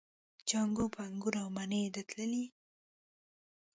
جانکو به انګور او مڼې تللې.